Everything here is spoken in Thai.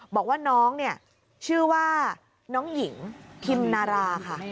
บอกว่าน้องเนี่ยชื่อว่าน้องหญิงพิมนาราค่ะ